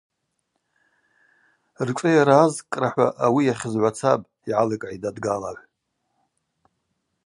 Ршӏыйара азкӏкӏра-хӏва ауи йахьызгӏвацапӏ, йгӏаликӏгӏитӏ адгалагӏв.